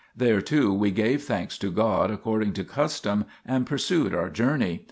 There too we gave thanks to God according to custom and pursued our journey.